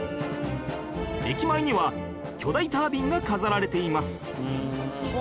駅前には巨大タービンが飾られています